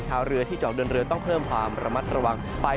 ชาวเรือที่เจาะเดินเรือต้องเพิ่มความระมัดระวังไป